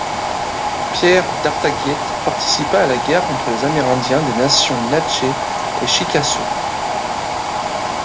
Pierre d’Artaguiette participa à la guerre contre les Amérindiens des Nations Natchez et Chickasaw.